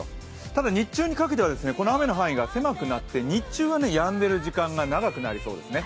ただ日中にかけてはこの雨の範囲が狭くなって日中はやんでる時間が長くなりそうですね。